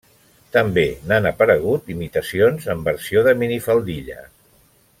També n'han aparegut imitacions en versió de minifaldilla.